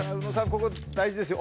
ここ大事ですよ。